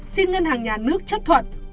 xin ngân hàng nhà nước chấp thuận